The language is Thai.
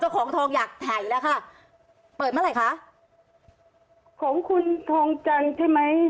เจ้าของทองอยากแถ่แล้วค่ะเปิดเมื่อไหร่ค่ะของคุณทองจังใช่ไหม